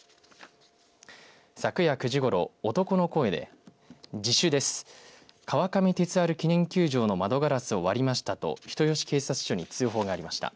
昨夜９時ごろ、男の声で自首です川上哲治記念球場の窓ガラスを割りましたと人吉警察署に通報がありました。